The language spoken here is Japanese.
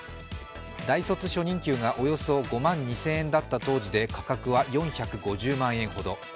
大卒初任給がおよそ５万２０００円だった当時で、価格は４５０万円ほど。